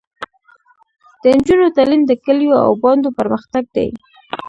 د نجونو تعلیم د کلیو او بانډو پرمختګ دی.